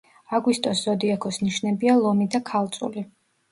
აგვისტოს ზოდიაქოს ნიშნებია ლომი და ქალწული.